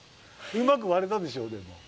うまくわれたでしょでも。